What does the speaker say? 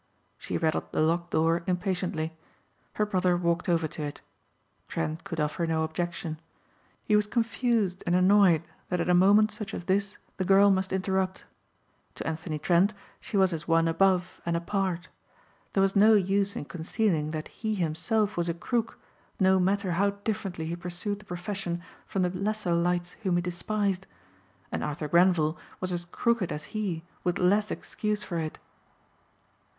She rattled the locked door impatiently. Her brother walked over to it. Trent could offer no objection. He was confused and annoyed that at a moment such as this the girl must interrupt. To Anthony Trent she was as one above and apart. There was no use in concealing that he himself was a crook no matter how differently he pursued the profession from the lesser lights whom he despised. And Arthur Grenvil was as crooked as he with less excuse for it.